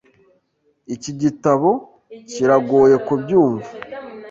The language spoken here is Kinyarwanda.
Iki gitabo kiragoye kubyumva.